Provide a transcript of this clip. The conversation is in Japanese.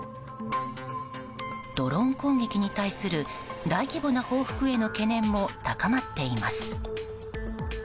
ドローン攻撃に対する大規模な報復への懸念も高まっています。